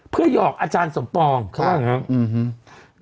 เพื่อหยอกอาจารย์สมปองเขาว่าอย่างนั้น